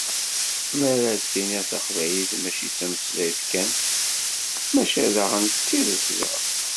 Mi ara d-tiniḍ taqbaylit mačči d tameslayt kan maca daɣen d tirrugza.